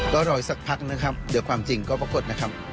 ก็รออีกสักพักนะครับเดี๋ยวความจริงก็ปรากฏนะครับ